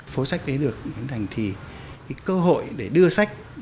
phố sách ấy được thành thì cơ hội để đưa sách